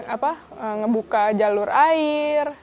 apa ngebuka jalur air